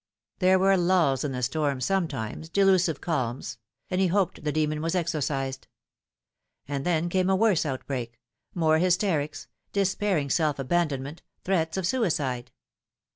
There were lulls in the storm sometimes, delusive calms ; and he hoped the demon was exorcised. And then came a worse outbreak ; more hysterics ; despairing self abandonment ; threats of suicide.